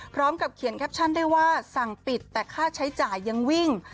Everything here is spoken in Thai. พร้อมกับเขียนแคปชั่นได้ว่าสั่งปิดแต่ค่าใช้จ่ายยังวิ่ง